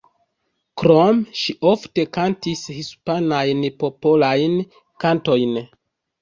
Krome, ŝi ofte kantis hispanajn popolajn kantojn.